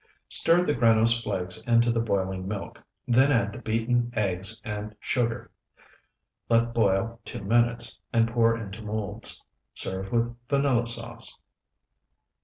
Stir the granose flakes into the boiling milk; then add the beaten eggs and sugar. Let boil two minutes, and pour into molds. Serve with vanilla sauce.